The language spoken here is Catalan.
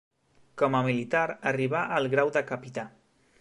Com a militar arribà al grau de capità.